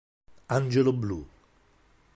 Angelo blu